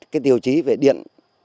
cái tiêu chí về điện